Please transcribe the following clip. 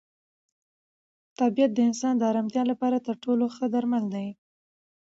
طبیعت د انسان د ارامتیا لپاره تر ټولو ښه درمل دی.